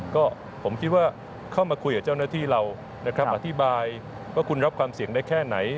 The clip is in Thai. ก็ผมคิดว่าเข้ามาคุยกับเจ้าหน้าที่เรานะครับอธิบายว่าคุณรับความเสี่ยงได้แค่ไหน